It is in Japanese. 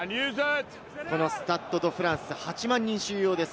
このスタッド・ド・フランス、８万人収容です。